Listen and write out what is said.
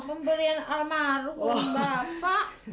memberian almarhum bapak